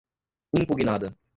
impugnada